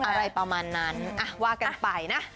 อะไรประมาณนั้นว่ากันไปนะ